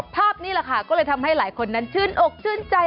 ภาพนี้แหละค่ะก็เลยทำให้หลายคนนั้นชื่นอกชื่นใจ